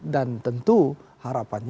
dan tentu harapannya